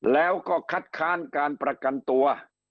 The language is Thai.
แล้วก็คัดค้านการประกันตัว